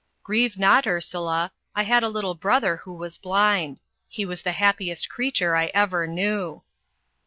"Grieve not, Ursula. I had a little brother who was blind. He was the happiest creature I ever knew."